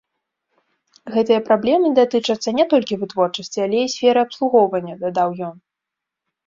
Гэтыя праблемы датычацца не толькі вытворчасці, але і сферы абслугоўвання, дадаў ён.